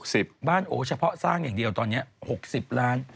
๖๐ล้านบาทบ้านโอเฉพาะสร้างอย่างเดียวตอนนี้๖๐ล้าน